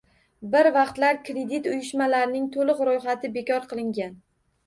Bir vaqtlar kredit uyushmalarining to'liq ro'yxati bekor qilingan